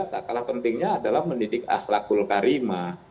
salah pentingnya adalah mendidik akhlakul karimah